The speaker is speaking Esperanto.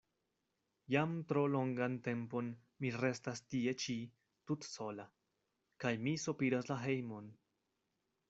Jam tro longan tempon mi restas tie ĉi tutsola, kaj mi sopiras la hejmon.”